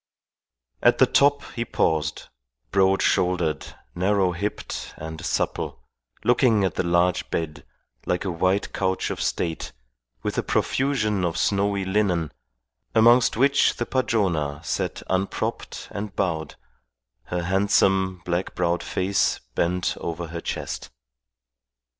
At the top he paused, broad shouldered, narrow hipped and supple, looking at the large bed, like a white couch of state, with a profusion of snowy linen, amongst which the Padrona sat unpropped and bowed, her handsome, black browed face bent over her chest.